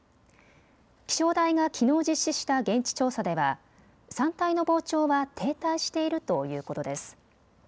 気象台がきのう実施した現地調査では山体の膨張は停滞しているということです。